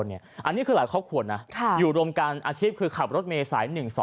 นี่คือหลายครอบครัวอยู่รมการอาชีพคือขับรถเมษายน๑๒๗